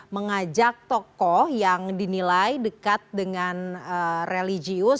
mengajak tokoh yang dinilai dekat dengan religius